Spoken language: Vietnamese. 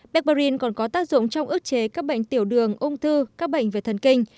barbarin còn có tác dụng trong ước chế các bệnh tiểu đường ung thư các bệnh về thần kinh